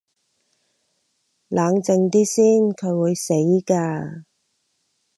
冷靜啲先，佢會死㗎